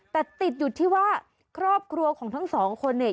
แต่ติดอยู่ที่ว่าครอบครัวของทั้งสองคนเนี่ย